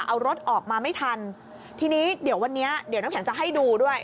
เอารถออกมาไม่ทันทีนี้เดี๋ยววันนี้เดี๋ยวน้ำแข็งจะให้ดูด้วย